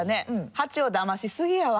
ハチをだましすぎやわ。